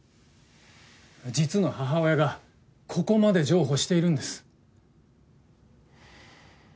実の母親がここまで譲歩しているんです。